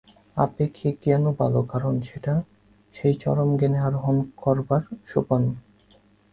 আপেক্ষিক জ্ঞানও ভাল, কারণ সেটা সেই চরম জ্ঞানে আরোহণ করবার সোপান।